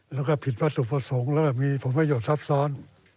แล้วก็ผิดวัตถุประสงค์แล้วก็มีผลประโยชน์ซับซ้อน